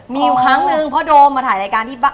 มีอยู่ครั้งนึงพ่อโดมมาถ่ายรายการที่บ้าน